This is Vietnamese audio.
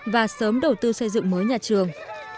và sớm đầu tư xây dựng mới nhà trường